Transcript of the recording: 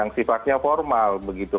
yang sifatnya formal begitu